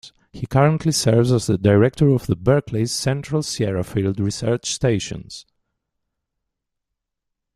He currently serves as the director of Berkeley's Central Sierra Field Research Stations.